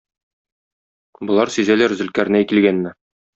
Болар сизәләр Зөлкарнәй килгәнне.